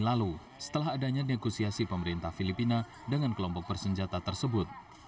lalu setelah adanya negosiasi pemerintah filipina dengan kelompok bersenjata tersebut